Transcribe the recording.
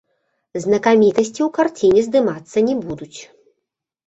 Знакамітасці ў карціне здымацца не будуць.